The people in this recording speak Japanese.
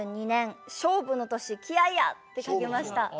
２０２２年勝負の年気合いや！！って書きました。